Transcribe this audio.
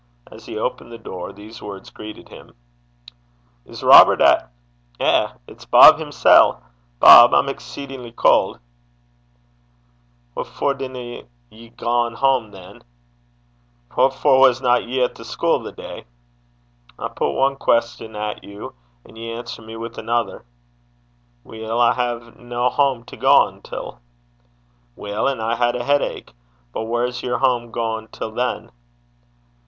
As he opened the door, these words greeted him: 'Is Robert at eh! it's Bob himsel'! Bob, I'm byous (exceedingly) cauld.' 'What for dinna ye gang hame, than?' 'What for wasna ye at the schuil the day?' 'I spier ae queston at you, and ye answer me wi' anither.' 'Weel, I hae nae hame to gang till.' 'Weel, and I had a sair heid (a headache). But whaur's yer hame gane till than?'